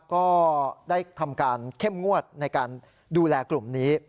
ก็ได้ทำการเข้มงวดในการดูแลกลุ่มนี้